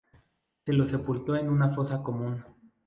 Se lo sepultó en una fosa común.